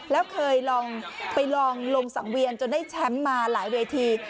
แล้วเคยลองไปลองลงสังเวียนจนได้แชมป์มาหลายเวที